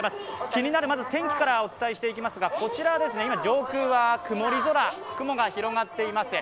気になる天気からお伝えしていきますがこちら、上空は曇り空、雲が広がっています。